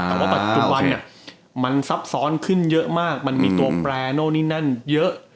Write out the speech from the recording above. แต่ว่าปัจจุบันเนี่ยมันซับซ้อนขึ้นเยอะมากมันมีตัวแปรโน้นนี่นั่นเยอะ